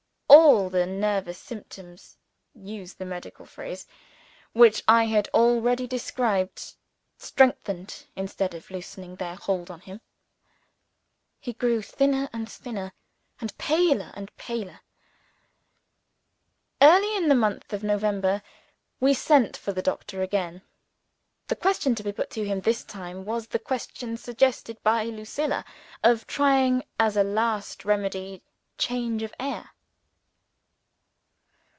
All the nervous symptoms (to use the medical phrase) which I have already described, strengthened instead of loosening their hold on him. He grew thinner and thinner, and paler and paler. Early in the month of November, we sent for the doctor again. The question to be put to him this time, was the question (suggested by Lucilla) of trying as a last remedy change of air.